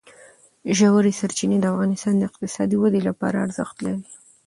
ژورې سرچینې د افغانستان د اقتصادي ودې لپاره ارزښت لري.